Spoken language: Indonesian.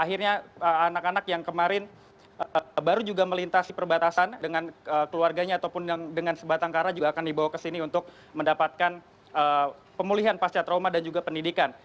akhirnya anak anak yang kemarin baru juga melintasi perbatasan dengan keluarganya ataupun yang dengan sebatang kara juga akan dibawa ke sini untuk mendapatkan pemulihan pasca trauma dan juga pendidikan